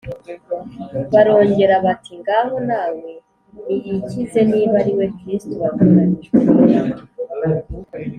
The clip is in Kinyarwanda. barongera bati, “ngaho na we niyikize niba ari we kristo watoranijwe n’imana”